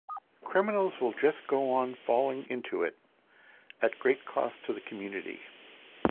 Criminals will just go on falling into it, at great cost to the community.